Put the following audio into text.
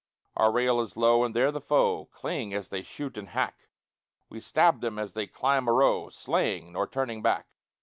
Our rail is low, and there the foe Cling as they shoot and hack. We stab them as they climb a row, Slaying, nor turning back.